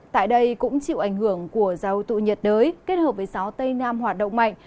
tại đây cũng chịu ảnh hưởng của rào tụ nhiệt đới kết hợp với gió tây nam hoạt động mạnh